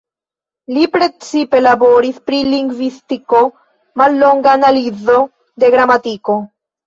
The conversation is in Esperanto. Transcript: Li precipe laboris pri lingvistiko, "Mallonga analizo de gramatiko.